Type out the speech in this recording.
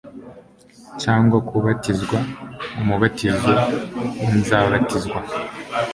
cyangwa kubatizwa umubatizo nzabatizwa?»